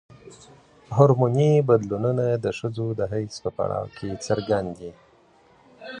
هورمون بدلونونه د ښځو د حیض په پړاو کې څرګند دي.